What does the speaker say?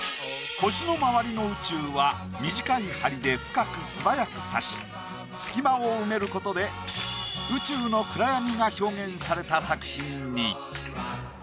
星の周りの宇宙は短い針で深く素早く刺し隙間を埋めることでされた作品に。